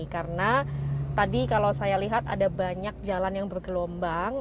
karena tadi kalau saya lihat ada banyak jalan yang bergelombang